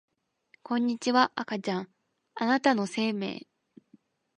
こんにちは赤ちゃんあなたの生命